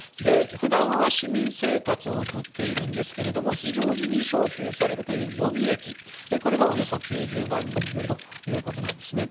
普段は市民生活を送っているんですけれども非常時に招集されるという予備役がおよそ９０万人いるということなんですね。